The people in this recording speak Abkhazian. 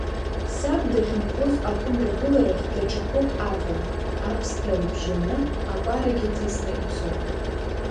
Саб дахьынхоз ахәы мрагыларахь даҽа хәык аван, аԥсҭа рыбжьаны, акәарагьы ҭысны ицо.